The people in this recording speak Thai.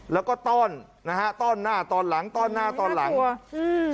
แล้วก็ต้อนนะฮะต้อนหน้าตอนหลังต้อนหน้าตอนหลังอืม